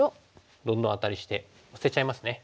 どんどんアタリしてオセちゃいますね。